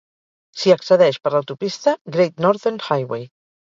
S'hi accedeix per l'autopista Great Northern Highway.